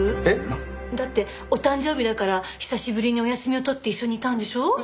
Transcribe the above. えっ？だってお誕生日だから久しぶりにお休みを取って一緒にいたんでしょ？